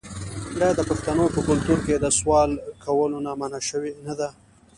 آیا د پښتنو په کلتور کې د سوال کولو نه منع شوې نه ده؟